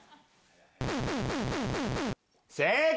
正解。